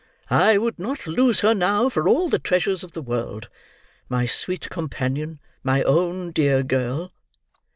I would not lose her now, for all the treasures of the world. My sweet companion, my own dear girl!"